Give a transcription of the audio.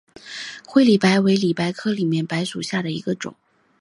灰里白为里白科里白属下的一个种。